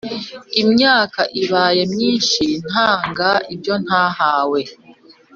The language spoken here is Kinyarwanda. imyaka ibaye myinshi ntanga ibyo ntahawe